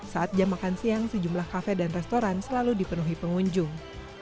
saat jam makan siang sejumlah kafe dan restoran selalu dipenuhi pengunjung